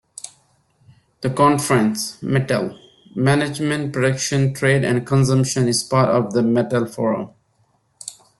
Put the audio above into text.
The conference "Metal: Management, production, trade and consumption" is part of the Metal-Forum.